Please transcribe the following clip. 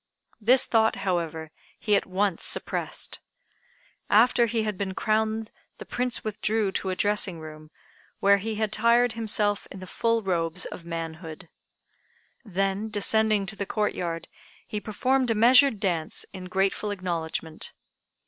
This thought, however, he at once suppressed. After he had been crowned the Prince withdrew to a dressing room, where he attired himself in the full robes of manhood. Then descending to the Court yard he performed a measured dance in grateful acknowledgment.